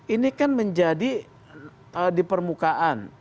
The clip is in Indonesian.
ini kan menjadi di permukaan